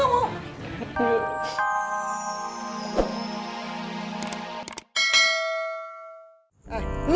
gak mau gak mau